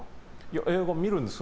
映画見るんですよ。